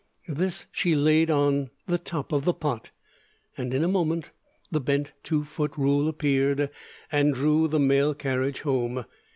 _ This she laid on the top of the pot, and in a moment the bent two foot rule appeared and drew the mail carriage home.